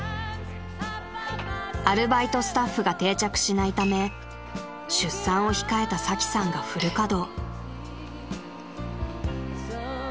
［アルバイトスタッフが定着しないため出産を控えたサキさんがフル稼働］